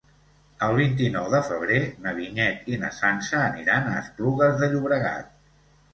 El vint-i-nou de febrer na Vinyet i na Sança aniran a Esplugues de Llobregat.